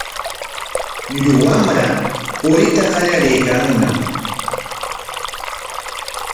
Llullu wamra puriyta qallariykanñam.